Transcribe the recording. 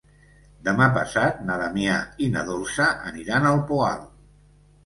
Demà passat na Damià i na Dolça aniran al Poal.